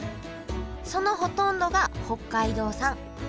そのほとんどが北海道産。